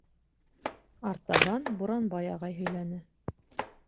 Артабан Буранбай ағай һөйләне.